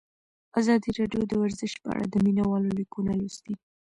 ازادي راډیو د ورزش په اړه د مینه والو لیکونه لوستي.